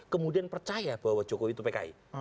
kemudian percaya bahwa jokowi itu pki